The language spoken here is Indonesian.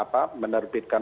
dan pak aling ingin mengatakan